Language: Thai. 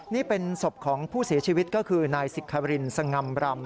นี่เป็นศพของผู้เสียชีวิตก็คือนายสิครินสง่ำรำ